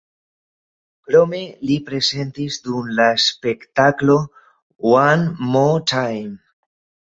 Krome li prezentis dum la spektaklo "One Mo’ Time".